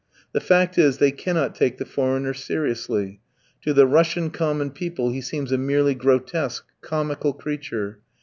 The fact is, they cannot take the foreigner seriously; to the Russian common people he seems a merely grotesque, comical creature.